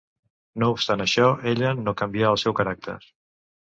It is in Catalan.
No obstant això, ella no canvià el seu caràcter.